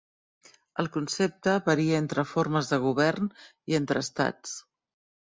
El concepte varia entre formes de govern i entre estats.